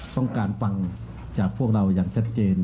ต้องการฟังจากพวกเราอย่างชัดเจน